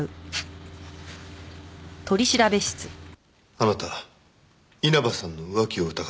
あなた稲葉さんの浮気を疑ってた。